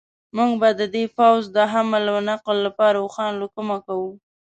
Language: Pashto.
موږ به د دې پوځ د حمل و نقل لپاره اوښان له کومه کوو.